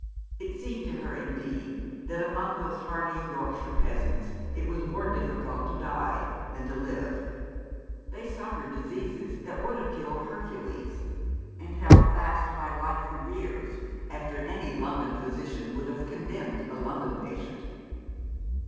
It seemed to her, indeed, that among those hardy Yorkshire peasants it was more difficult to die than to live. They suffered diseases that would have killed Hercules, 317 Rough Justice. and held fast by life for years after any London physician would have condemned a London patient.